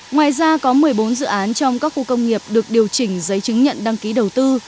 ngoài ra có một mươi bốn dự án trong các khu công nghiệp được điều chỉnh giấy chứng nhận đăng ký đầu tư